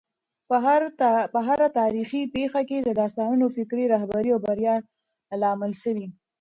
په هره تاریخي پېښه کي د استادانو فکري رهبري د بریا لامل سوی.